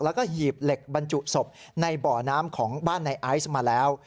แล้วก็หีบเหล็กบรรจุศพในบ่อน้ำของบ้านในไอซ์มาแล้ว